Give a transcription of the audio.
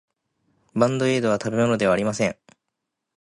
バンドエードは食べ物ではありません。